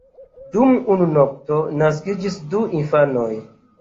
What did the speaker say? Dum unu nokto naskiĝis du infanoj.